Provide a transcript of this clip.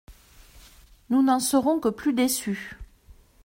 Nous n’en serons que plus déçus.